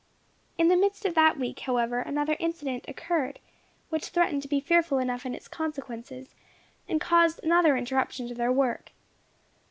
In the midst of that week, however, another incident occurred, which threatened to be fearful enough in its consequences, and caused another interruption to their work.